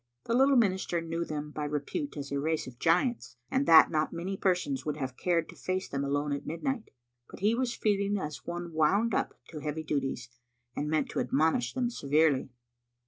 The little minister knew them by repute as a race of giants, and that not many persons would have cared to face them alone at midnight; but he was feeling as one wound up to heavy duties, and meant to admonish them severely.